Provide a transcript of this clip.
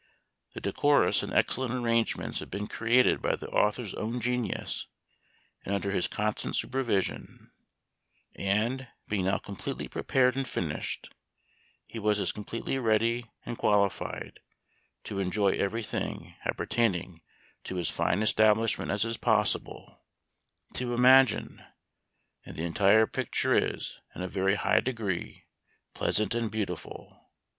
The decorous and excel lent arrangements had been created by the author's own genius and under his constant supervision, and, being now completely prepared and finished, he was as completely ready and qualified to enjoy every thing appertaining to his Memoir of Washington Irving. 249 fine establishment as is possible to imagine ; and the entire picture is, in a very high degree, pleasant and beautiful.